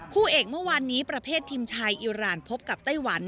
คู่เอกเมื่อวานนี้ประเภททีมชายอิราณพบกับไต้หวัน